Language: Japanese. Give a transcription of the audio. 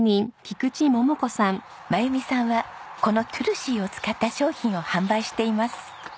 真由美さんはこのトゥルシーを使った商品を販売しています。